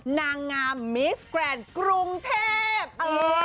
นางงามมิสแกรนด์กรุงเทพ